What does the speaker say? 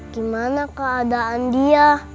gimana keadaan dia